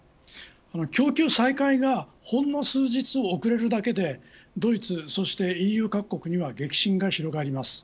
供給再開がほんの数日遅れるだけでドイツそしてＥＵ各国には激震が広がります。